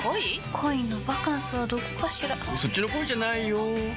恋のバカンスはどこかしらそっちの恋じゃないよ